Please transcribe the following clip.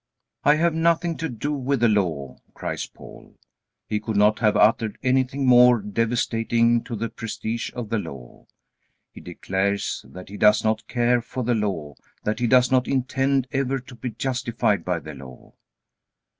"I have nothing to do with the Law," cries Paul. He could not have uttered anything more devastating to the prestige of the Law. He declares that he does not care for the Law, that he does not intend ever to be justified by the Law.